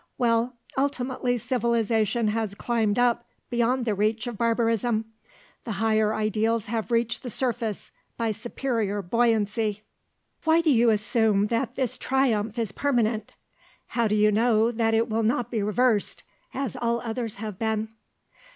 Well, ultimately civilisation has climbed up beyond the reach of barbarism. The higher ideals have reached the surface by superior buoyancy." "Why do you assume that this triumph is permanent? How do you know that it will not be reversed, as all others have been?"